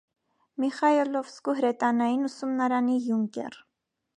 Միխայլովսկու հրետանային ուսումնարանի յունկեր։